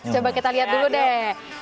coba kita lihat dulu deh